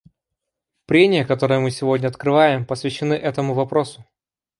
Прения, которые мы сегодня открываем, посвящены этому вопросу.